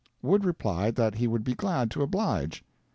Wood replied that he would be glad to oblige.